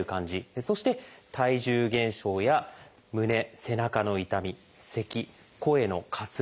そして体重減少や胸・背中の痛みせき声のかすれ。